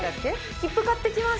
切符買ってきます。